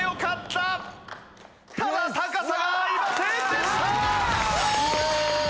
「ただ高さがありませんでした」